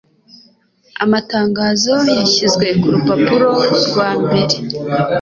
Amatangazo yashyizwe kurupapuro rwa mbere.